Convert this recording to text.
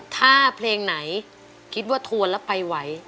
ถ้าเพลงไหนคิดว่าทวนแล้วไปไหว